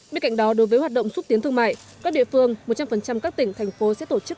bên cạnh đó đối với hoạt động xúc tiến thương mại các địa phương một trăm linh các tỉnh thành phố sẽ tổ chức